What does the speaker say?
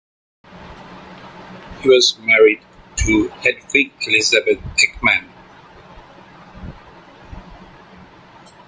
He was married to Hedvig Elisabeth Ekman.